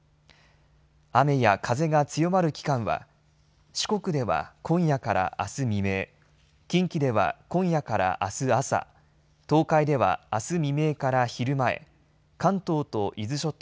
雨や風が強まる期間は四国では今夜からあす未明、近畿では今夜からあす朝、東海では、あす未明から昼前、関東と伊豆諸島